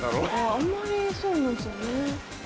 あんまりそうなんですよね。